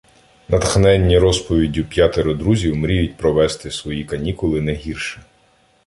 Натхненні розповіддю п'ятеро друзів мріють провести свої канікули не гірше.